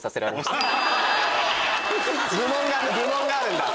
部門があるんだ。